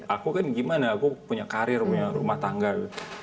aku kan gimana aku punya karir punya rumah tangga